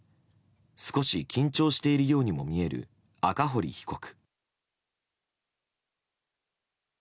少し緊張しているようにも見える赤堀被告。